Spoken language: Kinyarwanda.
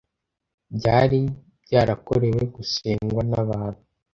byari byarakorewe gusengwa n'abantu